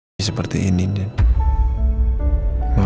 aku gak pernah selingkuh mas